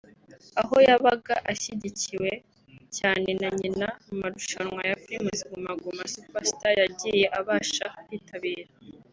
aho yabaga ashyigikiwe cyane na nyina mu marushanwa ya Primus Guma Guma Super Star yagiye abasha kwitabira